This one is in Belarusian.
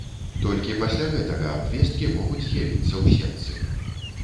Толькі пасля гэтага абвесткі могуць з'явіцца ў сетцы.